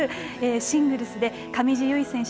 シングルスで上地結衣選手